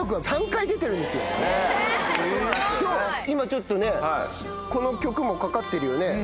今ちょっとねこの曲もかかってるよね。